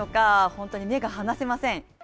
本当に目が離せません。